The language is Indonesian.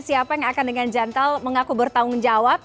siapa yang akan dengan jantel mengaku bertanggung jawab